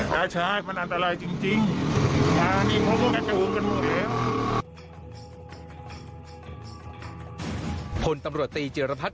คือคนแถวนี้คิดว่าโอ๊ต